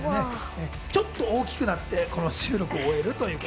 ちょっと大きくなって、この収録を終えるという。